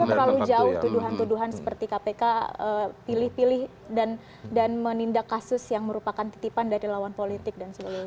terlalu jauh tuduhan tuduhan seperti kpk pilih pilih dan menindak kasus yang merupakan titipan dari lawan politik dan sebagainya